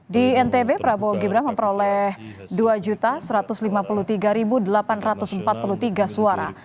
di ntb prabowo gibran memperoleh dua satu ratus lima puluh tiga delapan ratus empat puluh tiga suara